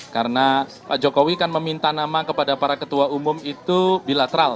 karena pak jokowi kan meminta nama kepada para ketua umum itu bilateral